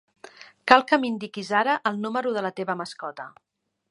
Cal que m'indiquis ara el número de la teva mascota.